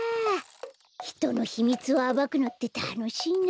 ひとのひみつをあばくのってたのしいな。